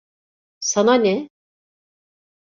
Sana ne?